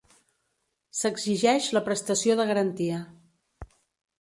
S'exigeix la prestació de garantia.